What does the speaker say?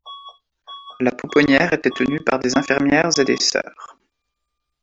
La pouponnière était tenue par des infirmières et des sœurs.